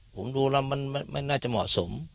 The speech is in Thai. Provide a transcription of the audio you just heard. ผมดูแล้วมันไม่น่าจะเหมาะสม